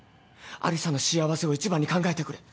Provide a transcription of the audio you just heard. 有沙の幸せを一番に考えてくれ。